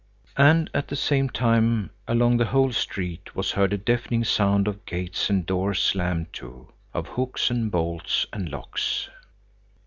And at the same time, along the whole street, was heard a deafening sound of gates and doors slammed to, of hooks and bolts and locks.